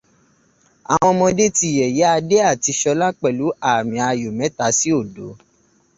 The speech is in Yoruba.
Àwọn ọmọdé ti yẹ̀yẹ́ Adé àti Ṣọlá pẹ̀lú ààmì ayò mẹ́ta sí òdo.